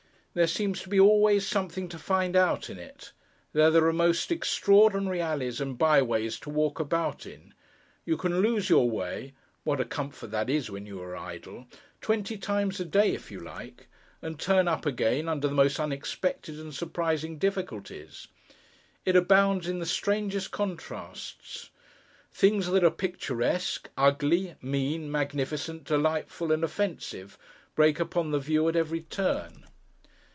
There seems to be always something to find out in it. There are the most extraordinary alleys and by ways to walk about in. You can lose your way (what a comfort that is, when you are idle!) twenty times a day, if you like; and turn up again, under the most unexpected and surprising difficulties. It abounds in the strangest contrasts; things that are picturesque, ugly, mean, magnificent, delightful, and offensive, break upon the view at every turn.